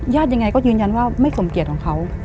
ยังไงก็ยืนยันว่าไม่สมเกียจของเขา